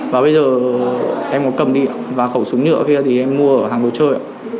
và bây giờ em có cầm đi và khẩu súng nhựa kia thì em mua ở hàng đồ chơi ạ